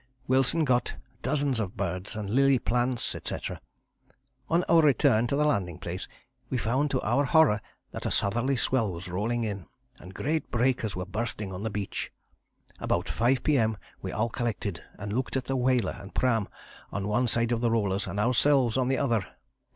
Wilson got dozens of birds, and Lillie plants, etc. On our return to the landing place we found to our horror that a southerly swell was rolling in, and great breakers were bursting on the beach. About five P.M. we all collected and looked at the whaler and pram on one side of the rollers and ourselves on the other.